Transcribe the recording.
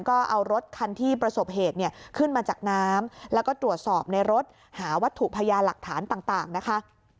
ก็เอารถคันที่ประสบเหตุเนี่ยขึ้นมาจากน้ำแล้วก็ตรวจสอบในรถหาวัตถุพยานหลักฐานต่างนะคะ